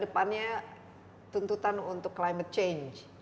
depannya tuntutan untuk climate change